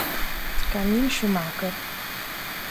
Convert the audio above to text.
Camille Schumacher